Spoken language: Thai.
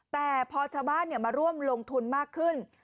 แต่พอทะวะมาร่วมลงทุนมากขึ้น